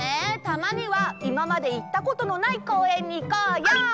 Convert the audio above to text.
たまにはいままでいったことのないこうえんにいこうよ！